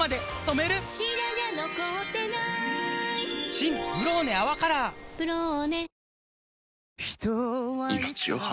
新「ブローネ泡カラー」「ブローネ」